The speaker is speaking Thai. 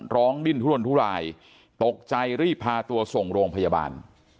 ดิ้นทุรนทุรายตกใจรีบพาตัวส่งโรงพยาบาล